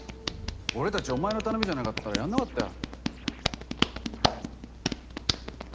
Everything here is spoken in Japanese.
俺たちお前の頼みじゃなかったらやんなかったよ。